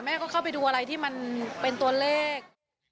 เข้าไปดูอะไรที่มันเป็นตัวเลข